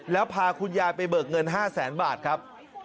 แล้วพาคุณยายไปเบิกเงิน๕แสนบาทครับ